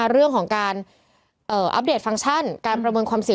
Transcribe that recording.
เพื่อไม่ให้เชื้อมันกระจายหรือว่าขยายตัวเพิ่มมากขึ้น